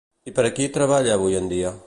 I per a qui treballa avui en dia?